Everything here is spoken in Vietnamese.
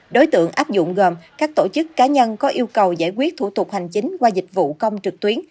đối tượng áp dụng gồm các tổ chức cá nhân có yêu cầu giải quyết thủ tục hành chính qua dịch vụ công trực tuyến